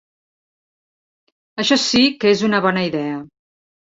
Això sí que és una bona idea.